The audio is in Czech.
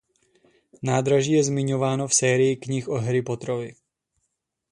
Nádraží je zmiňováno v sérii knih o Harry Potterovi.